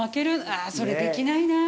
ああそれできないなあ。